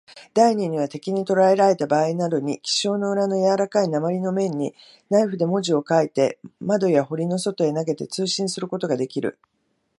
第二には、敵にとらえられたばあいなどに、記章の裏のやわらかい鉛の面へ、ナイフで文字を書いて、窓や塀の外へ投げて、通信することができる。